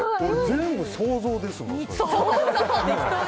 全部想像ですもん。